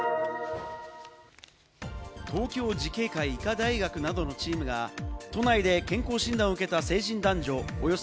東京慈恵会医科大学などのチームが都内で健康診断を受けた成人男女